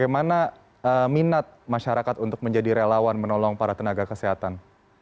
bagaimana minat masyarakat untuk menjadi relawan menolong para tenaga kesehatan